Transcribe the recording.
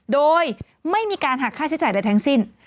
โดยไม่มีการหักค่าใช้จ่ายใดทั้งสิ้น